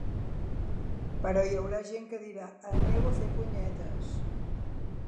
Però hi ha gent que dirà ‘Aneu a fer punyetes!’.